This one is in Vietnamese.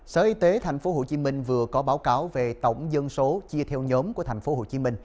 sở y tế tp hcm vừa có báo cáo về tổng dân số chia theo nhóm của tp hcm